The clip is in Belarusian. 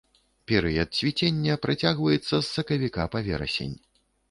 Перыяд цвіцення працягваецца з сакавіка па верасень.